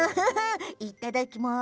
いただきます！